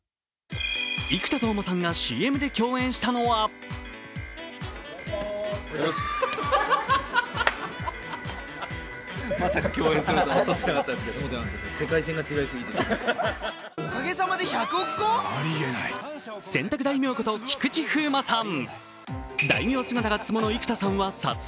生田斗真さんがＣＭで共演したのは洗濯大名こと菊池風磨さん。